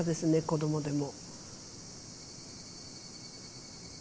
子どもでも。